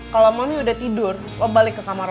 kalau mami udah tidur lo balik ke kamar lo